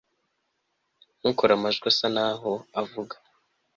Ntukore Amajwi asa naho avuga